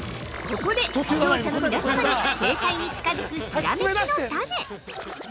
◆ここで、視聴者の皆様に正解に近づくひらめきのタネ！